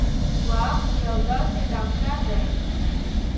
وخت یو داسې ډاکټر دی